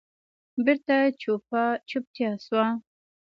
بېرته چوپه چوپتیا شوه.